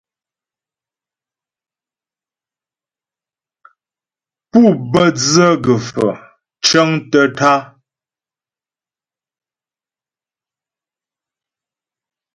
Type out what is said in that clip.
Pú bə́ dzə gə̀faə̀ cəŋtə́ tǎ'a.